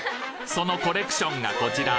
そのコレクションがこちら！